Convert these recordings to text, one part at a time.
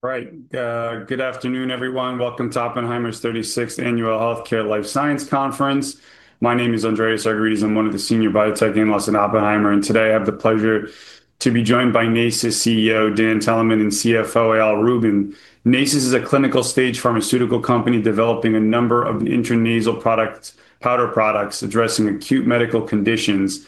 Right. Good afternoon, everyone. Welcome to Oppenheimer's 36th Annual Healthcare Life Science Conference. My name is Andreas Argyrides. I'm one of the senior biotech analysts in Oppenheimer. Today I have the pleasure to be joined by Nasus CEO, Dan Teleman, and CFO, Eyal Rubin. Nasus is a clinical-stage pharmaceutical company developing a number of intranasal products, powder products, addressing acute medical conditions.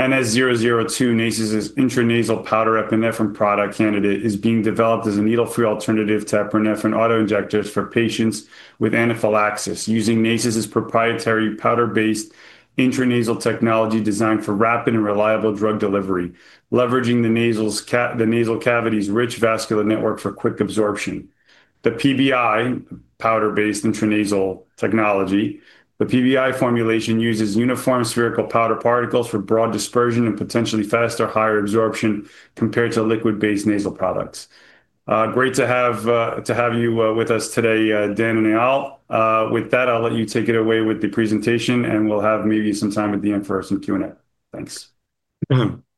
NS002, Nasus's intranasal powder epinephrine product candidate, is being developed as a needle-free alternative to epinephrine auto-injectors for patients with anaphylaxis, using Nasus's proprietary powder-based intranasal technology designed for rapid and reliable drug delivery, leveraging the nasal cavity's rich vascular network for quick absorption. The PBI, powder-based intranasal technology, the PBI formulation uses uniform spherical powder particles for broad dispersion and potentially faster, higher absorption compared to liquid-based nasal products. Great to have to have you with us today, Dan and Eyal. With that, I'll let you take it away with the presentation, and we'll have maybe some time at the end for some Q&A. Thanks.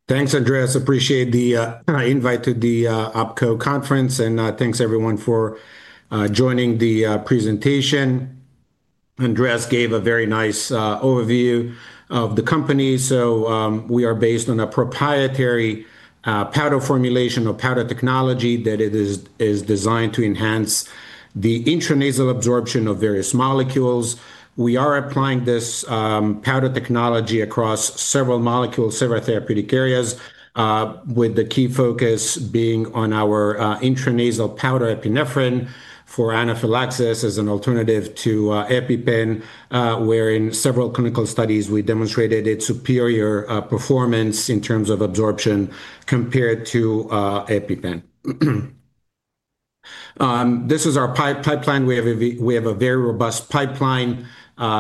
Thanks, Andreas. Appreciate the invite to the OpCo conference, and thanks everyone for joining the presentation. Andreas gave a very nice overview of the company. We are based on a proprietary powder formulation or powder technology that is designed to enhance the intranasal absorption of various molecules. We are applying this powder technology across several molecules, several therapeutic areas, with the key focus being on our intranasal powder epinephrine for anaphylaxis as an alternative to EpiPen, where in several clinical studies, we demonstrated its superior performance in terms of absorption compared to EpiPen. This is our pipeline. We have a very robust pipeline,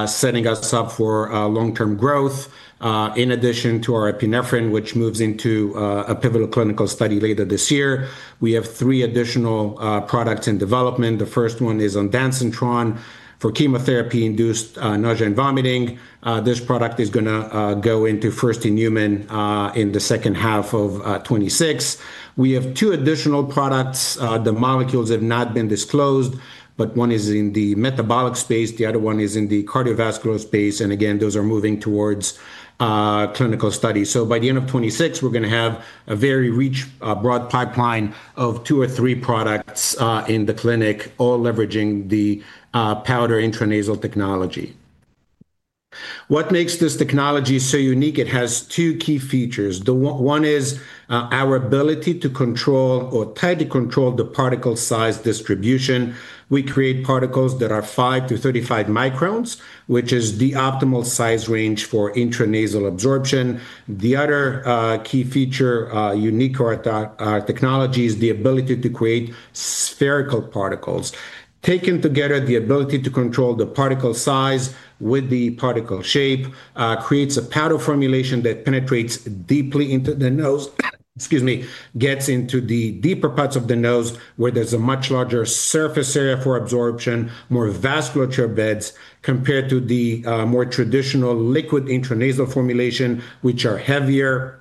setting us up for long-term growth. In addition to our epinephrine, which moves into a pivotal clinical study later this year, we have three additional products in development. The first one is ondansetron for chemotherapy-induced nausea and vomiting. This product is going to go into first in human in the second half of 2026. We have two additional products. The molecules have not been disclosed, but one is in the metabolic space, the other one is in the cardiovascular space, and again, those are moving towards clinical studies. By the end of 2026, we're going to have a very rich, broad pipeline of two or three products in the clinic, all leveraging the Powder Intranasal Technology. What makes this technology so unique? It has two key features. One is our ability to control or tightly control the particle size distribution. We create particles that are five to 35 microns, which is the optimal size range for intranasal absorption. The other key feature, unique technology is the ability to create spherical particles. Taken together, the ability to control the particle size with the particle shape, creates a powder formulation that penetrates deeply into the nose, excuse me, gets into the deeper parts of the nose, where there's a much larger surface area for absorption, more vasculature beds, compared to the more traditional liquid intranasal formulation, which are heavier,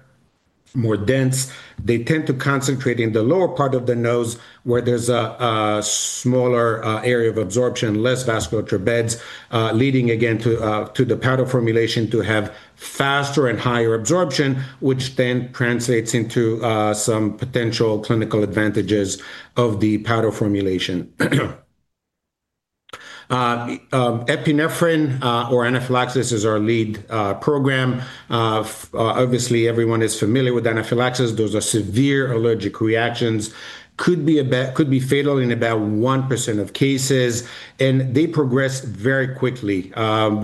more dense. They tend to concentrate in the lower part of the nose, where there's a smaller area of absorption, less vasculature beds, leading again to the powder formulation to have faster and higher absorption, which then translates into some potential clinical advantages of the powder formulation. Epinephrine or anaphylaxis is our lead program. Obviously, everyone is familiar with anaphylaxis. Those are severe allergic reactions, could be fatal in about 1% of cases, and they progress very quickly.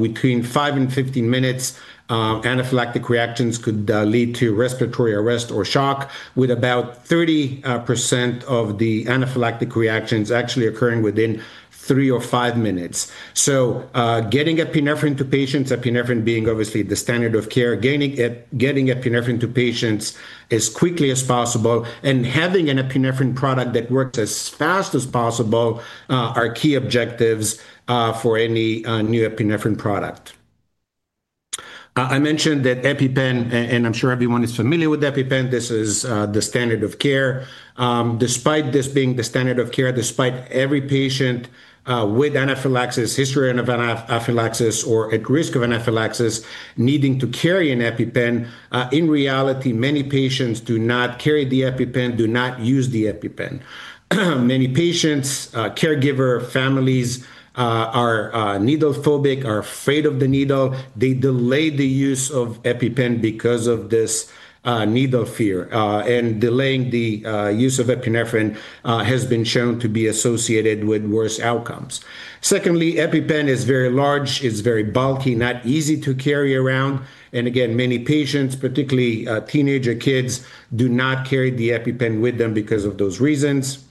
Between five to 15 minutes, anaphylactic reactions could lead to respiratory arrest or shock, with about 30% of the anaphylactic reactions actually occurring within three or five minutes. Getting epinephrine to patients, epinephrine being obviously the standard of care, getting epinephrine to patients as quickly as possible and having an epinephrine product that works as fast as possible, are key objectives for any new epinephrine product. I mentioned that EpiPen, and I'm sure everyone is familiar with EpiPen, this is the standard of care. Despite this being the standard of care, despite every patient with anaphylaxis, history of anaphylaxis, or at risk of anaphylaxis, needing to carry an EpiPen, in reality, many patients do not carry the EpiPen, do not use the EpiPen. Many patients, caregiver, families, are needle phobic, are afraid of the needle. They delay the use of EpiPen because of this needle fear, and delaying the use of epinephrine has been shown to be associated with worse outcomes. Secondly, EpiPen is very large, it's very bulky, not easy to carry around. Again, many patients, particularly teenager kids, do not carry the EpiPen with them because of those reasons.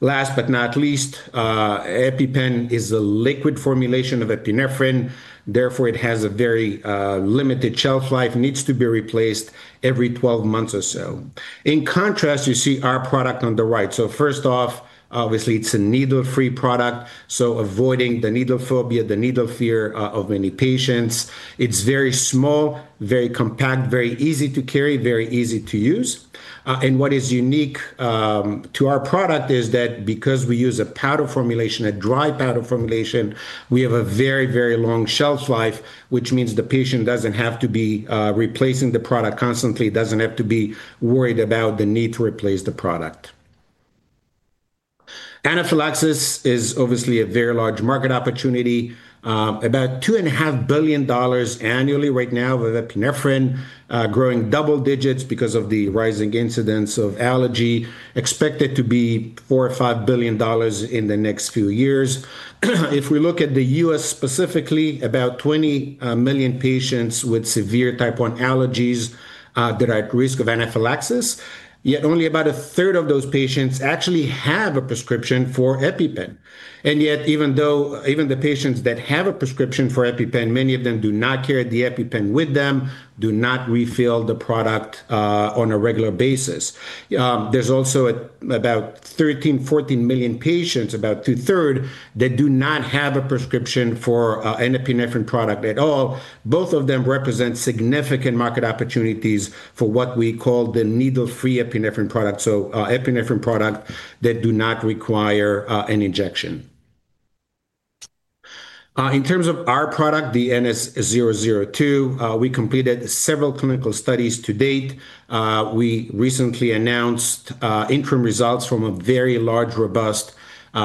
Last but not least, EpiPen is a liquid formulation of epinephrine, therefore it has a very limited shelf life, needs to be replaced every 12 months or so. In contrast, you see our product on the right. First off, obviously, it's a needle-free product, so avoiding the needle phobia, the needle fear of many patients. It's very small, very compact, very easy to carry, very easy to use. What is unique to our product is that because we use a powder formulation, a dry powder formulation, we have a very, very long shelf life, which means the patient doesn't have to be replacing the product constantly, doesn't have to be worried about the need to replace the product. Anaphylaxis is obviously a very large market opportunity, about two and a half billion dollars annually right now with epinephrine, growing double digits because of the rising incidence of allergy, expected to be four or five billion dollars in the next few years. If we look at the U.S. specifically, about 20 million patients with severe Type I allergies that are at risk of anaphylaxis, yet only about a third of those patients actually have a prescription for EpiPen. Yet, even the patients that have a prescription for EpiPen, many of them do not carry the EpiPen with them, do not refill the product on a regular basis. There's also about 13, 14 million patients, about two-third, that do not have a prescription for an epinephrine product at all. Both of them represent significant market opportunities for what we call the needle-free epinephrine product, so epinephrine product that do not require an injection. In terms of our product, the NS-002, we completed several clinical studies to date. We recently announced interim results from a very large, robust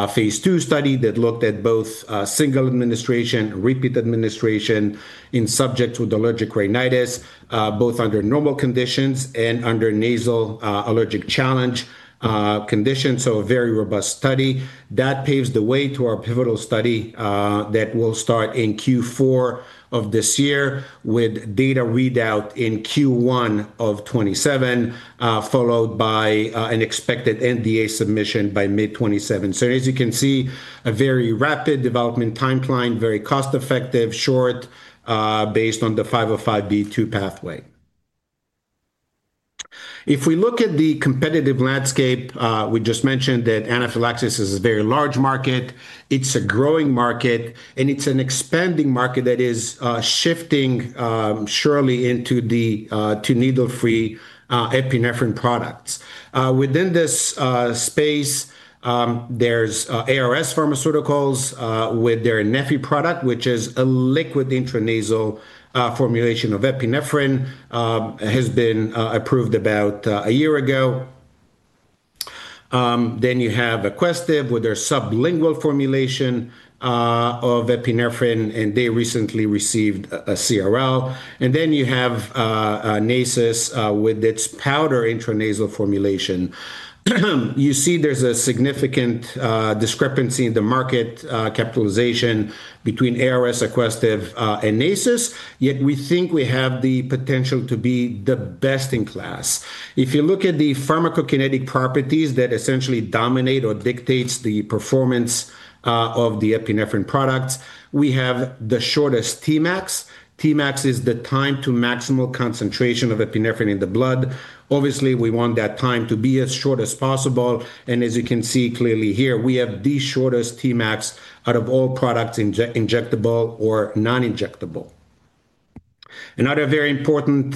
phase two study that looked at both single administration, repeat administration in subjects with allergic rhinitis, both under normal conditions and under nasal allergic challenge conditions. A very robust study. That paves the way to our pivotal study that will start in Q4 of this year, with data read out in Q1 of 2027, followed by an expected NDA submission by mid 2027. As you can see, a very rapid development timeline, very cost-effective, short, based on the 505 pathway. If we look at the competitive landscape, we just mentioned that anaphylaxis is a very large market, it's a growing market, and it's an expanding market that is shifting surely into the to needle-free epinephrine products. Within this space, there's ARS Pharmaceuticals with their neffy product, which is a liquid intranasal formulation of epinephrine, has been approved about a year ago. You have Aquestive, with their sublingual formulation of epinephrine, and they recently received a CRL. You have Nasus with its powder intranasal formulation. You see there's a significant discrepancy in the market capitalization between ARS, Aquestive, and Nasus, yet we think we have the potential to be the best in class. If you look at the pharmacokinetic properties that essentially dominate or dictates the performance of the epinephrine products, we have the shortest Tmax. Tmax is the time to maximal concentration of epinephrine in the blood. We want that time to be as short as possible, and as you can see clearly here, we have the shortest Tmax out of all products, injectable or non-injectable. Another very important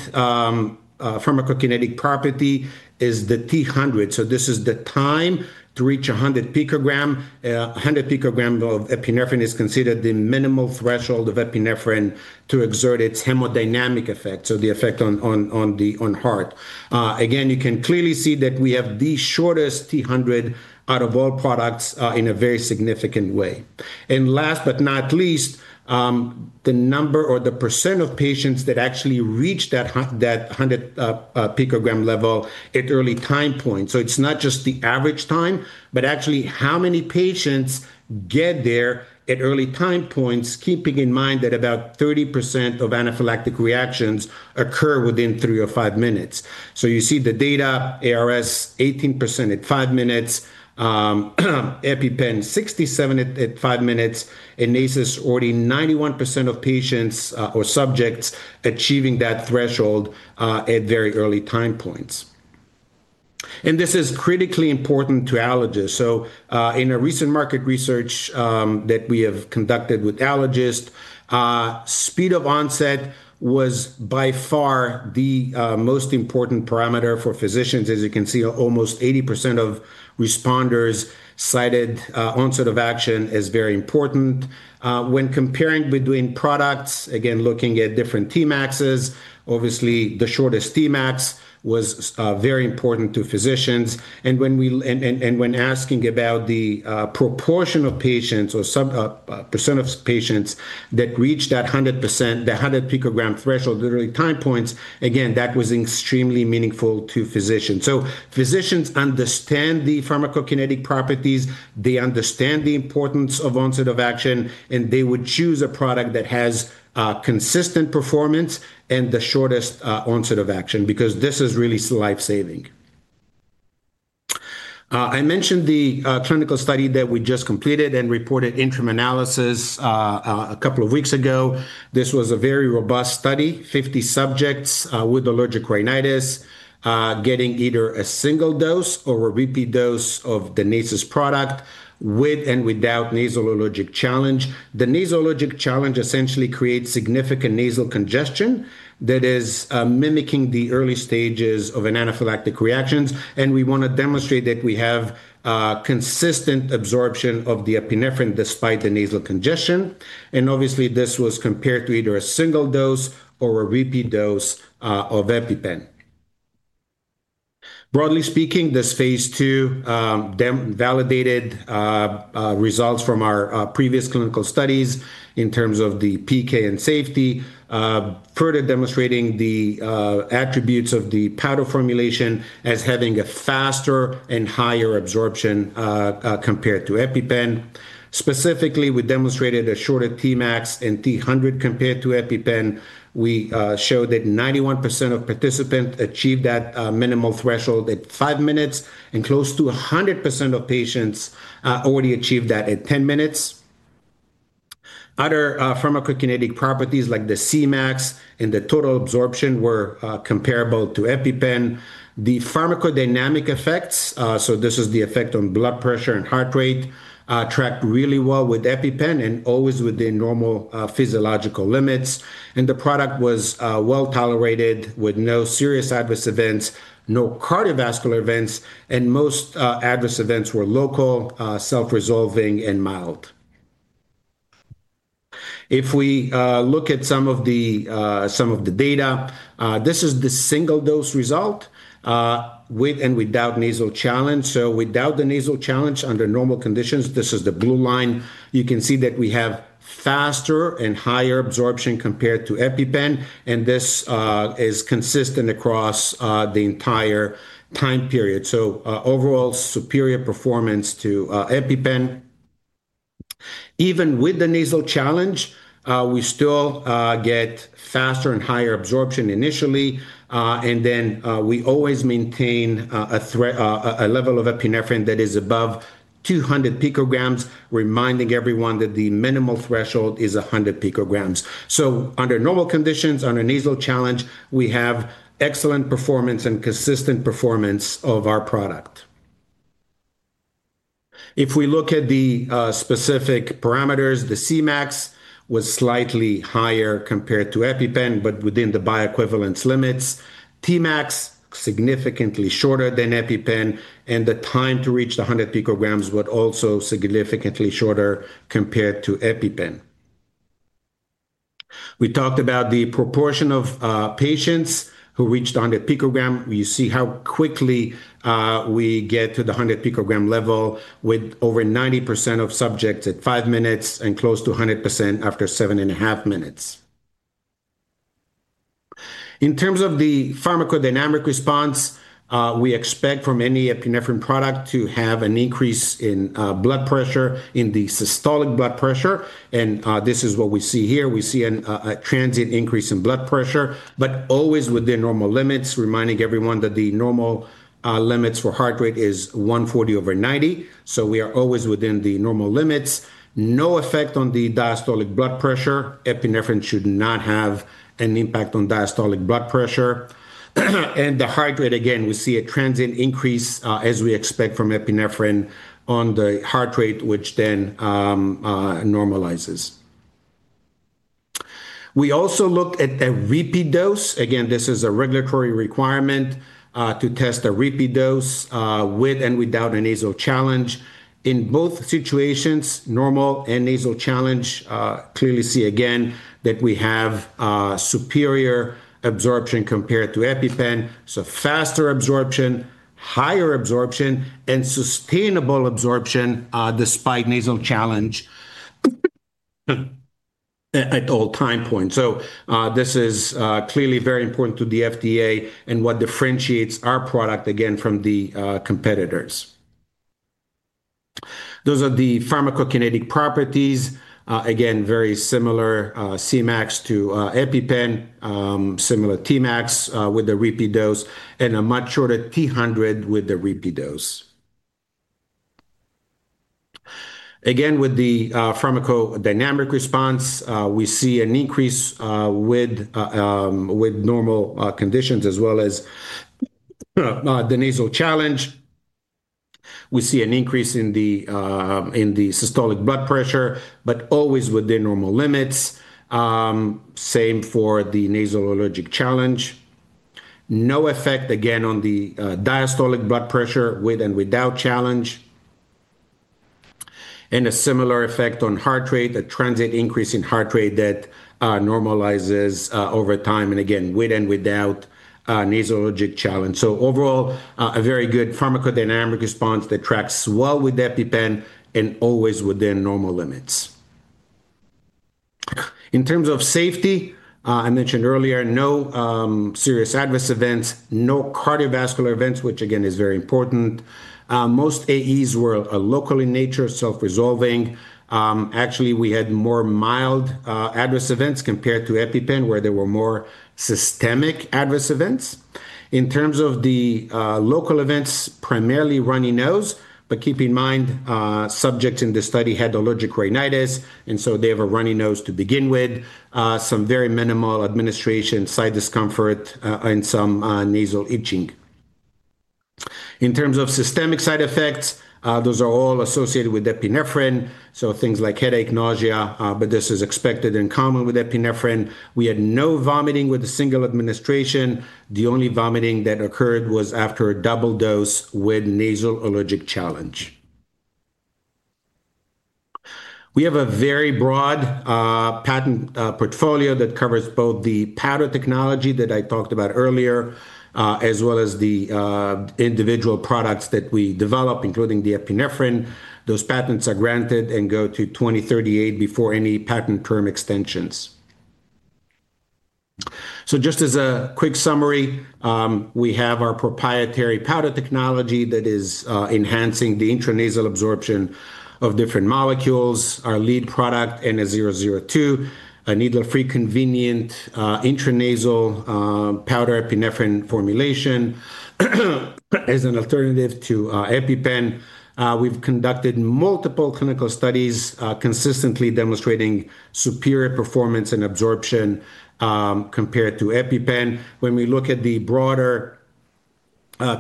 pharmacokinetic property is the T100. This is the time to reach 100 picogram. 100 picogram of epinephrine is considered the minimal threshold of epinephrine to exert its hemodynamic effect, so the effect on heart. Again, you can clearly see that we have the shortest T100 out of all products, in a very significant way. Last but not least, the number or the % of patients that actually reach that 100 picogram level at early time points. It's not just the average time, but actually how many patients get there at early time points, keeping in mind that about 30% of anaphylactic reactions occur within three or five minutes. You see the data, ARS, 18% at five minutes, EpiPen, 67 at five minutes, and Nasus, already 91% of patients or subjects achieving that threshold at very early time points. This is critically important to allergists. In a recent market research that we have conducted with allergists, speed of onset was by far the most important parameter for physicians. As you can see, almost 80% of responders cited onset of action as very important. When comparing between products, again, looking at different Tmaxes, obviously, the shortest Tmax was very important to physicians. When asking about the proportion of patients or percent of patients that reached that 100 picogram threshold at early time points, again, that was extremely meaningful to physicians. Physicians understand the pharmacokinetic properties, they understand the importance of onset of action, and they would choose a product that has consistent performance and the shortest onset of action, because this is really life-saving. I mentioned the clinical study that we just completed and reported interim analysis a couple of weeks ago. This was a very robust study, 50 subjects, with allergic rhinitis, getting either a single dose or a repeat dose of the Nasus product with and without nasal allergic challenge. The nasal allergic challenge essentially creates significant nasal congestion that is mimicking the early stages of an anaphylactic reactions, and we want to demonstrate that we have consistent absorption of the epinephrine despite the nasal congestion. Obviously, this was compared to either a single dose or a repeat dose of EpiPen. Broadly speaking, this phase two validated results from our previous clinical studies in terms of the PK and safety, further demonstrating the attributes of the powder formulation as having a faster and higher absorption compared to EpiPen. Specifically, we demonstrated a shorter Tmax and T100 compared to EpiPen. We showed that 91% of participants achieved that minimal threshold at 5 minutes, and close to 100% of patients already achieved that at 10 minutes. Other pharmacokinetic properties like the Cmax and the total absorption were comparable to EpiPen. The pharmacodynamic effects, so this is the effect on blood pressure and heart rate, tracked really well with EpiPen and always within normal physiological limits. The product was well tolerated with no serious adverse events, no cardiovascular events, and most adverse events were local, self-resolving, and mild. If we look at some of the some of the data, this is the single dose result with and without nasal challenge. Without the nasal challenge, under normal conditions, this is the blue line. You can see that we have faster and higher absorption compared to EpiPen, and this is consistent across the entire time period. Overall superior performance to EpiPen. Even with the nasal challenge, we still get faster and higher absorption initially, and then we always maintain a level of epinephrine that is above 200 picograms, reminding everyone that the minimal threshold is 100 picograms. Under normal conditions, under nasal challenge, we have excellent performance and consistent performance of our product. If we look at the specific parameters, the Cmax was slightly higher compared to EpiPen, but within the bioequivalence limits. Tmax, significantly shorter than EpiPen, and the time to reach the 100 picograms was also significantly shorter compared to EpiPen. We talked about the proportion of patients who reached a 100 picogram. You see how quickly we get to the 100 picogram level with over 90% of subjects at pole minutes and close to 100% after seven and a half minutes. In terms of the pharmacodynamic response, we expect from any epinephrine product to have an increase in blood pressure, in the systolic blood pressure, and this is what we see here. We see a transient increase in blood pressure, but always within normal limits, reminding everyone that the normal limits for heart rate is 140 over 90, so we are always within the normal limits. No effect on the diastolic blood pressure. Epinephrine should not have an impact on diastolic blood pressure. The heart rate, again, we see a transient increase as we expect from epinephrine on the heart rate, which then normalizes. We also looked at a repeat dose. Again, this is a regulatory requirement to test a repeat dose with and without a nasal challenge. In both situations, normal and nasal challenge, clearly see again that we have superior absorption compared to EpiPen. Faster absorption, higher absorption, and sustainable absorption, despite nasal challenge, at all time points. This is clearly very important to the FDA and what differentiates our product, again, from the competitors. Those are the pharmacokinetic properties. Again, very similar Cmax to EpiPen, similar Tmax with the repeat dose, and a much shorter T100 with the repeat dose. Again, with the pharmacodynamic response, we see an increase with normal conditions as well as the nasal challenge. We see an increase in the systolic blood pressure, always within normal limits. Same for the nasal allergic challenge. No effect, again, on the diastolic blood pressure with and without challenge. A similar effect on heart rate, a transient increase in heart rate that normalizes over time, again, with and without a nasal allergic challenge. Overall, a very good pharmacodynamic response that tracks well with EpiPen and always within normal limits. In terms of safety, I mentioned earlier, no serious adverse events, no cardiovascular events, which again is very important. Most AEs were local in nature, self-resolving. Actually, we had more mild adverse events compared to EpiPen, where there were more systemic adverse events. In terms of the local events, primarily runny nose, keep in mind, subjects in this study had allergic rhinitis, they have a runny nose to begin with, some very minimal administration site discomfort, and some nasal itching. In terms of systemic side effects, those are all associated with epinephrine, things like headache, nausea, this is expected and common with epinephrine. We had no vomiting with the single administration. The only vomiting that occurred was after a double dose with nasal allergic challenge. We have a very broad patent portfolio that covers both the powder technology that I talked about earlier, as well as the individual products that we develop, including the epinephrine. Those patents are granted and go to 2038 before any patent term extensions. Just as a quick summary, we have our proprietary powder technology that is enhancing the intranasal absorption of different molecules. Our lead product, NS002, a needle-free, convenient, intranasal, powder epinephrine formulation, as an alternative to EpiPen. We've conducted multiple clinical studies, consistently demonstrating superior performance and absorption, compared to EpiPen. When we look at the broader,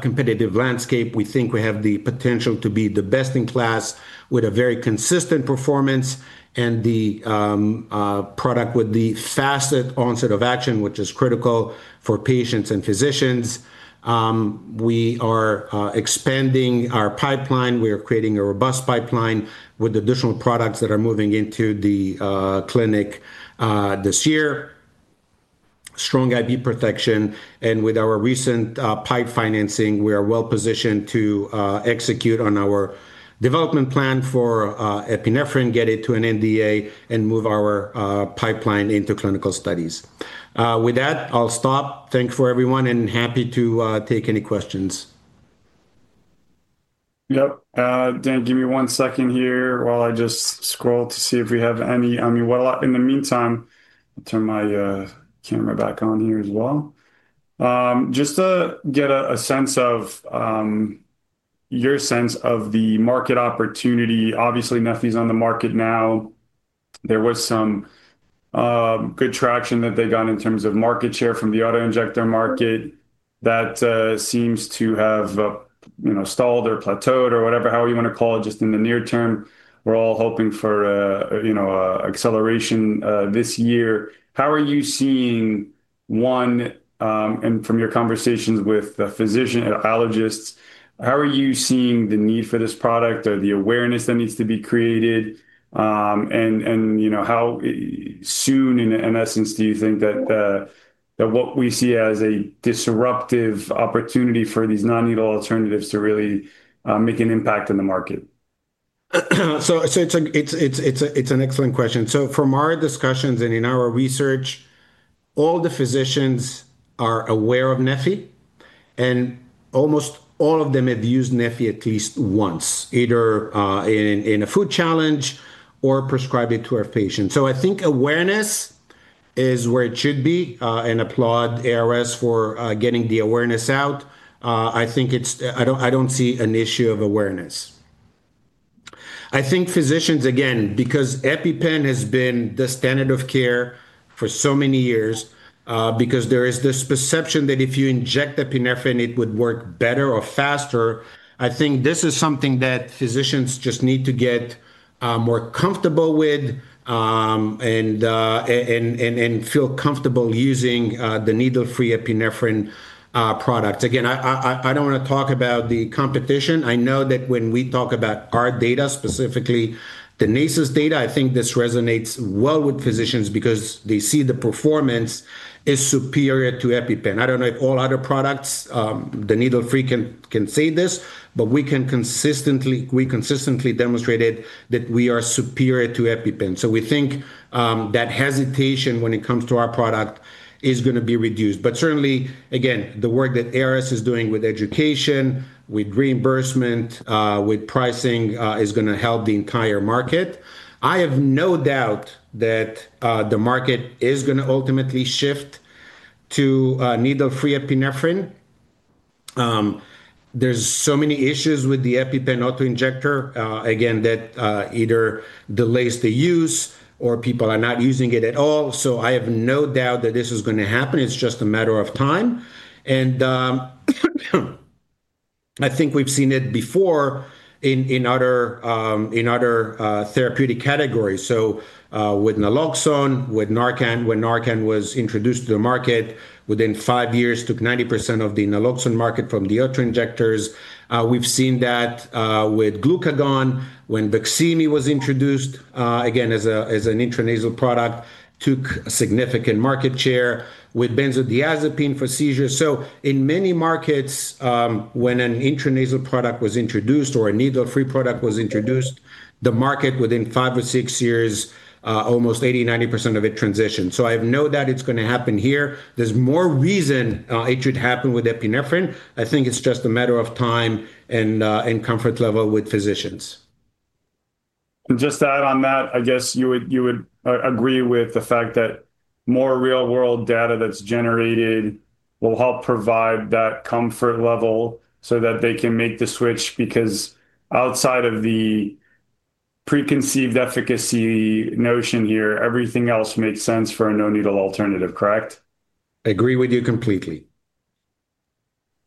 competitive landscape, we think we have the potential to be the best in class with a very consistent performance and the product with the fastest onset of action, which is critical for patients and physicians. We are expanding our pipeline. We are creating a robust pipeline with additional products that are moving into the clinic this year. Strong IP protection, and with our recent PIPE financing, we are well positioned to execute on our development plan for epinephrine, get it to an NDA, and move our pipeline into clinical studies. With that, I'll stop. Thank you for everyone, and happy to take any questions. Yep. Dan, give me one second here while I just scroll to see if we have any- I mean, well, in the meantime, let me turn my camera back on here as well. Just to get a sense of your sense of the market opportunity, obviously, neffy's on the market now. There was some good traction that they got in terms of market share from the auto-injector market. That seems to have, you know, stalled or plateaued or whatever, however you want to call it, just in the near term. We're all hoping for a, you know, acceleration this year. How are you seeing, one, from your conversations with the physician, allergists, how are you seeing the need for this product or the awareness that needs to be created? You know, how soon, in essence, do you think that what we see as a disruptive opportunity for these non-needle alternatives to really make an impact on the market? It's an excellent question. From our discussions and in our research, all the physicians are aware of neffy, and almost all of them have used neffy at least once, either in a food challenge or prescribed it to a patient. I think awareness is where it should be, and applaud ARS for getting the awareness out. I don't see an issue of awareness. I think physicians, again, because EpiPen has been the standard of care for so many years, because there is this perception that if you inject epinephrine, it would work better or faster, I think this is something that physicians just need to get more comfortable with, and feel comfortable using the needle-free epinephrine product. I don't want to talk about the competition. I know that when we talk about our data, specifically the Nasus data, I think this resonates well with physicians because they see the performance is superior to EpiPen. I don't know if all other products, the needle-free can say this, but we consistently demonstrated that we are superior to EpiPen. We think that hesitation when it comes to our product is going to be reduced. Certainly, again, the work that ARS is doing with education, with reimbursement, with pricing, is going to help the entire market. I have no doubt that the market is going to ultimately shift to needle-free epinephrine. There's so many issues with the EpiPen auto-injector, again, that either delays the use or people are not using it at all. I have no doubt that this is going to happen. It's just a matter of time, and I think we've seen it before in other therapeutic categories. With naloxone, with NARCAN, when NARCAN was introduced to the market, within five years, took 90% of the naloxone market from the auto-injectors. We've seen that with glucagon when BAQSIMI was introduced, again, as an intranasal product, took a significant market share with benzodiazepine for seizures. In many markets, when an intranasal product was introduced or a needle-free product was introduced, the market within five or six years, almost 80%, 90% of it transitioned. I have no doubt it's going to happen here. There's more reason it should happen with epinephrine. I think it's just a matter of time and comfort level with physicians. Just to add on that, I guess you would agree with the fact that more real-world data that's generated will help provide that comfort level so that they can make the switch. Outside of the preconceived efficacy notion here, everything else makes sense for a no-needle alternative, correct? Agree with you completely.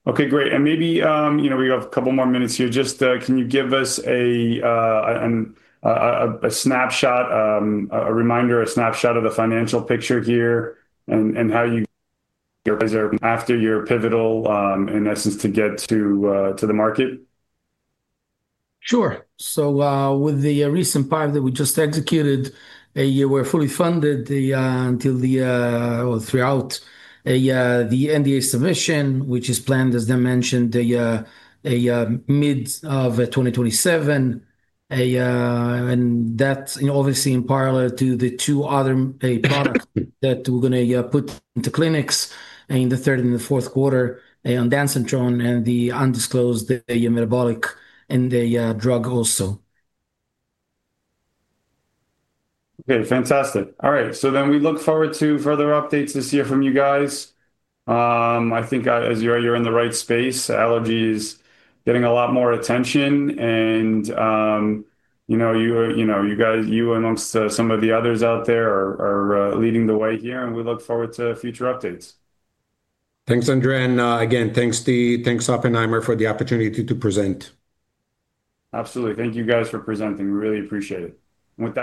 Okay, great. Maybe, you know, we have a couple more minutes here. Just, can you give us a snapshot, a reminder, a snapshot of the financial picture here and how you, after your pivotal, in essence, to get to the market? Sure. with the recent PIPE that we just executed, we're fully funded until the or throughout the NDA submission, which is planned, as Dan mentioned, the mid of 2027. That's, you know, obviously in parallel to the two other products that we're going to put into clinics in the third and the fourth quarter, ondansetron and the undisclosed metabolic and the drug also. Okay, fantastic. All right, we look forward to further updates this year from you guys. I think, as you are, you're in the right space. Allergy is getting a lot more attention, and, you know, you are, you know, you guys, you amongst some of the others out there are leading the way here, and we look forward to future updates. Thanks, Andreas, again, thanks, Oppenheimer, for the opportunity to present. Absolutely. Thank you guys for presenting. We really appreciate it. With that.